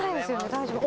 大丈夫？